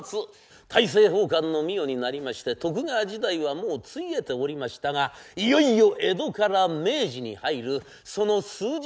大政奉還の御代になりまして徳川時代はもうついえておりましたがいよいよ江戸から明治に入るその数日間のお物語。